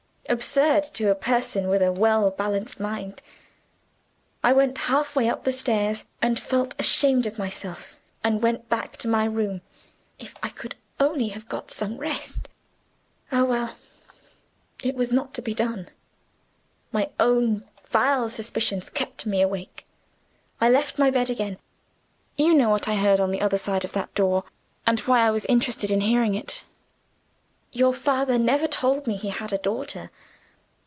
Absurd, to a person with a well balanced mind! I went halfway up the stairs, and felt ashamed of myself, and went back to my room. If I could only have got some rest! Ah, well, it was not to be done. My own vile suspicions kept me awake; I left my bed again. You know what I heard on the other side of that door, and why I was interested in hearing it. Your father never told me he had a daughter.